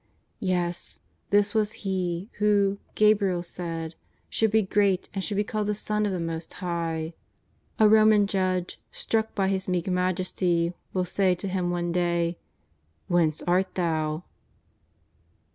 Yes, this was He who, Gabriel said, should be great and should be called the Son of the Most High. A Roman judge, struck by His meek majesty, will say to Him one day :" Whence art Thou